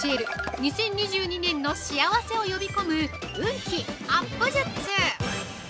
２０２２年の幸せを呼び込む運気アップ術！